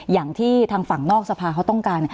อย่างที่ทางฝั่งนอกสภาเขาต้องการ